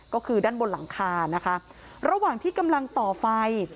ก็คือด้านบนหลังคานะคะระหว่างที่กำลังต่อไฟ